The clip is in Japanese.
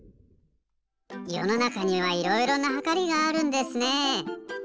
よのなかにはいろいろなはかりがあるんですね。